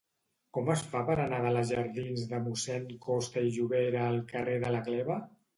Com es fa per anar de la jardins de Mossèn Costa i Llobera al carrer de la Gleva?